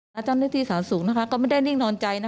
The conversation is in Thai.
อยอาจารย์หน้าที่สารสุขก็ไม่ได้นิ่งนอนใจ